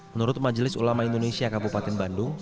menurut majelis ulama indonesia kabupaten bandung